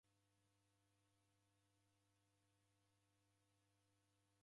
Walala dilo mpaka ukaghona.